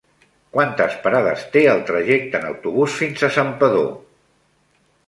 Quantes parades té el trajecte en autobús fins a Santpedor?